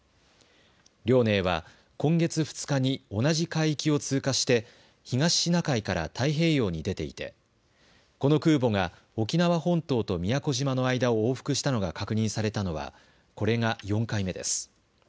遼寧は今月２日に同じ海域を通過して東シナ海から太平洋に出ていてこの空母が沖縄本島と宮古島の間を往復したのが確認されたのはこれが４回目です。